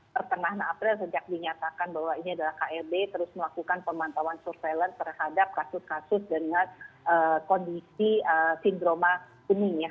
pertengahan april sejak dinyatakan bahwa ini adalah klb terus melakukan pemantauan surveillance terhadap kasus kasus dengan kondisi sindroma kuning ya